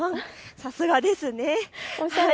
さすがですね。